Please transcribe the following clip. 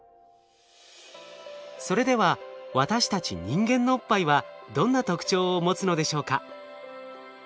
それでは私たち人間のおっぱいはどんな特徴を持つのでしょうか？